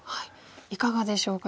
いかがでしょうか？